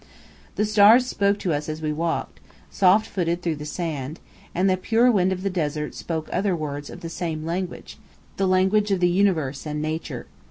The stars spoke to us as we walked, soft footed, through the sand; and the pure wind of the desert spoke other words of the same language, the language of the Universe and of Nature.